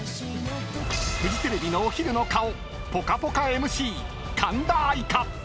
［フジテレビのお昼の顔『ぽかぽか』ＭＣ神田愛花］